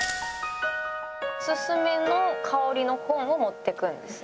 「おすすめの香りの本を持っていくんですね」